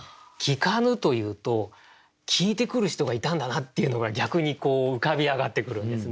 「訊かぬ」と言うと訊いてくる人がいたんだなっていうのが逆に浮かび上がってくるんですね。